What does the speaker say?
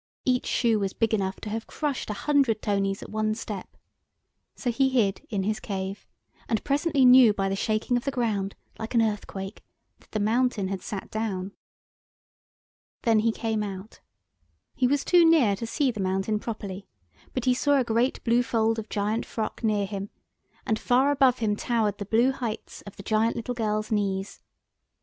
Each shoe was big enough to have crushed a hundred Tonys at one step. So he hid in his cave, and presently knew by the shaking of the ground, like an earthquake, that the mountain had sat down. Then he came out. He was too near to see the mountain properly, but he saw a great blue fold of giant frock near him, and far above him towered the blue heights of the giant little girl's knees.